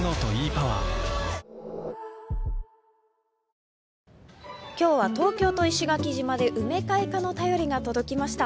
東芝今日は東京と石垣島で梅開花の便りが届きました。